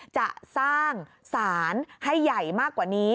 จะสร้างสารให้ใหญ่มากกว่านี้